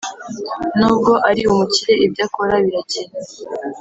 nubwo ari umukire ibyo akora birakennye